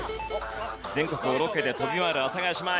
全国をロケで飛び回る阿佐ヶ谷姉妹。